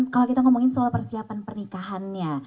kalau kita ngomongin soal persiapan pernikahannya